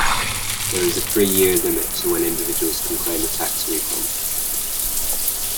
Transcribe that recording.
There is a three-year limit to when individuals can claim a tax refund.